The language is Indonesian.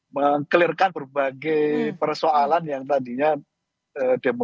meng clearkan berbagai persoalan yang tadinya demokrasi